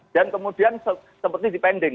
dan kemudian seperti dipending